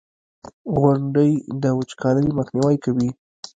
• غونډۍ د وچکالۍ مخنیوی کوي.